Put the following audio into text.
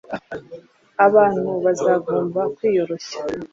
Abantu bazagomba kwiyoroshya,